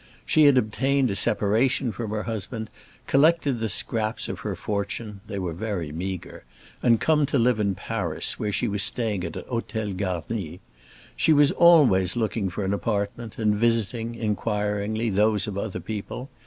She had obtained a separation from her husband, collected the scraps of her fortune (they were very meagre) and come to live in Paris, where she was staying at a hôtel garni. She was always looking for an apartment, and visiting, inquiringly, those of other people.